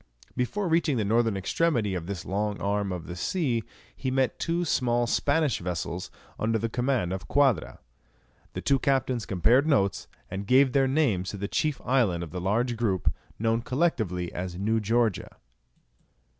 Before reaching the northern extremity of this long arm of the sea, he met two small Spanish vessels under the command of Quadra. The two captains compared notes, and gave their names to the chief island of the large group known collectively as New Georgia.